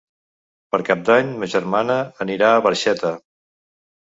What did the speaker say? Per Cap d'Any ma germana anirà a Barxeta.